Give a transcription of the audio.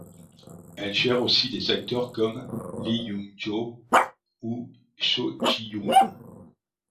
Elle gère aussi des acteurs comme Lee Hyun-joo ou Cho Shi-yoon.